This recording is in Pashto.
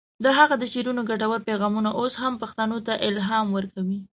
د هغه د شعرونو ګټور پیغامونه اوس هم پښتنو ته الهام ورکوي.